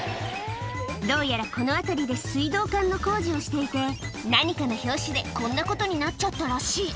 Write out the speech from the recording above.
どうやらこの辺りで水道管の工事をしていて、何かの拍子でこんなことになっちゃったらしい。